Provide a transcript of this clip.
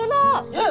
ねえ！